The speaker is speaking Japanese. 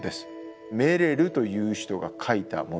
メレルという人が書いたものです。